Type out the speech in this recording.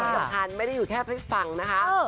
สำคัญไม่ได้อยู่แค่พริกฝั่งนะคะ